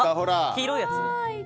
黄色いやつ？